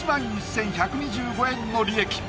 １１１２５円の利益